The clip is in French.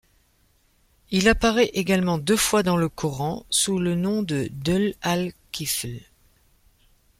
Il apparaît également deux fois dans le Coran, sous le nom de Dhul-Al-Khifl.